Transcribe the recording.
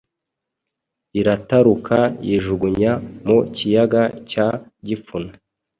irataruka yijugunya mu kiyaga cya Gipfuna.